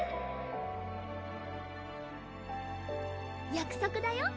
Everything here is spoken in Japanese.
約束だよ。